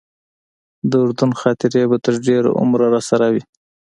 د اردن خاطرې به تر ډېره عمره راسره وي.